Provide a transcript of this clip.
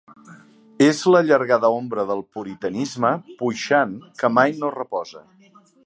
És l'allargada ombra del puritanisme puixant que mai no reposa.